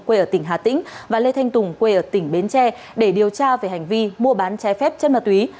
quê ở tỉnh hà tĩnh và lê thanh tùng quê ở tỉnh bến tre để điều tra về hành vi mua bán trái phép chân ma túy